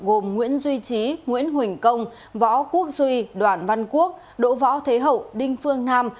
gồm nguyễn duy trí nguyễn huỳnh công võ quốc duy đoàn văn quốc đỗ võ thế hậu đinh phương nam